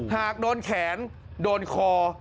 หากโดนแขนโดนคอ